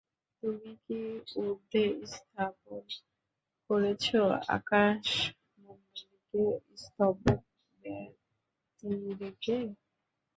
তুমিই কি ঊর্ধ্বে স্থাপন করেছ আকাশমণ্ডলীকে স্তম্ভ ব্যতিরেকে?